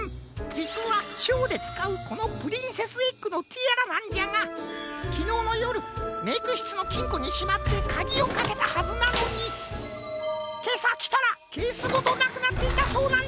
じつはショーでつかうこのプリンセスエッグのティアラなんじゃがきのうのよるメイクしつのきんこにしまってかぎをかけたはずなのにけさきたらケースごとなくなっていたそうなんじゃ。